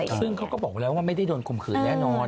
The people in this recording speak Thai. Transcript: ซึ่งเขาก็บอกแล้วว่าไม่ได้โดนข่มขืนแน่นอน